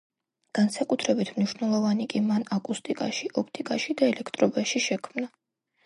განსაკუთრებით მნიშვნელოვანი კი მან აკუსტიკაში, ოპტიკაში, და ელექტრობაში შექმნა.